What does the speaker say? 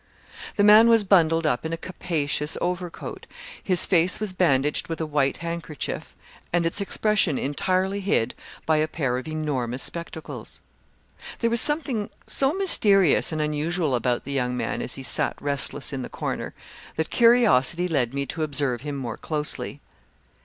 "The man was bundled up in a capacious overcoat; his face was bandaged with a white handkerchief, and its expression entirely hid by a pair of enormous spectacles. "There was something so mysterious and unusual about the young man as he sat restless in the corner, that curiosity led me to observe him more closely.